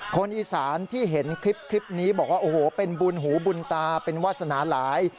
คนอีสานที่เห็นคลิปนี้บอกว่าโอ้โหเป็นบุญหูบุญตาเป็นวาสนาหลาย